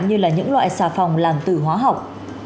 như là những loại xà phòng làm từ hóa học